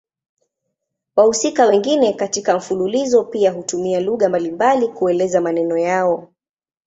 Wahusika wengine katika mfululizo pia hutumia lugha mbalimbali kuelezea maneno yao.